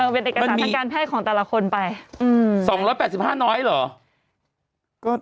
เออเป็นเอกสารทางการแพทย์ของแต่ละคนไปสองร้อยแปดสิบห้าน้อยเหรอ